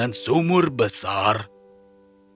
dan menemukan semua makanan yang ada di sumur besar